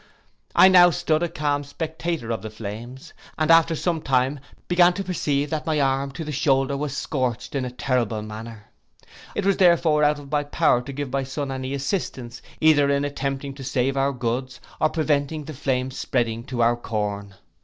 I now stood a calm spectator of the flames, and after some time, began to perceive that my arm to the shoulder was scorched in a terrible manner. It was therefore out of my power to give my son any assistance, either in attempting to save our goods, or preventing the flames spreading to our corn.